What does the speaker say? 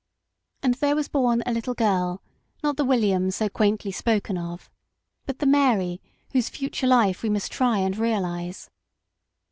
And there was born a little girl, not the William so quaintly spoken of ; but the Mary whose future life PARENTAGE. 21 we must try and realise.